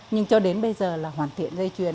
nhưng cho đến bây giờ là hoàn thiện dây chuyền